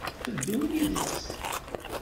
Ad d-ddun yid-s?